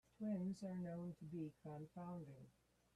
Twins are known to be confounding.